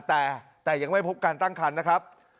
แต่ยังไม่พบการตั้งคันนะครับ